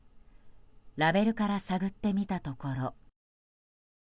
ラベルから探ってみたところ。